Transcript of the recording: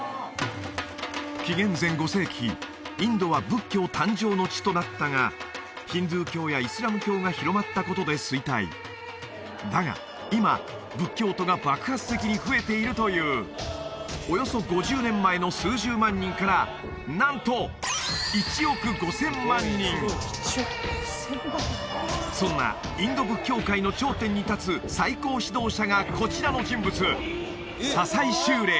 紀元前５世紀インドは仏教誕生の地となったがヒンドゥー教やイスラム教が広まったことで衰退だが今仏教徒が爆発的に増えているというおよそ５０年前の数十万人からなんとそんなインド仏教界の頂点に立つ最高指導者がこちらの人物佐々井秀嶺